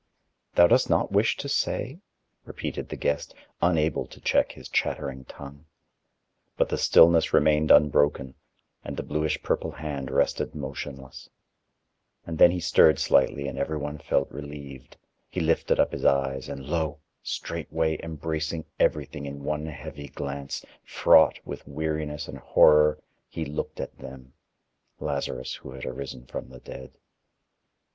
"Thou dost not wish to say?" repeated the guest, unable to check his chattering tongue. But the stillness remained unbroken, and the bluish purple hand rested motionless. And then he stirred slightly and everyone felt relieved. He lifted up his eyes, and lo! straightway embracing everything in one heavy glance, fraught with weariness and horror, he looked at them, Lazarus who had arisen from the dead.